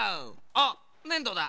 あっねんどだ！